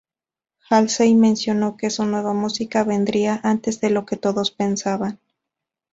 Halsey mencionó que su nueva música vendría "antes de lo que todos pensaban".